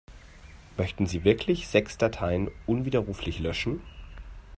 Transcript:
Möchten Sie wirklich sechs Dateien unwiderruflich löschen?